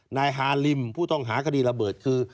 นายฮาริมผู้ต้องหาคดีระเบิดคือ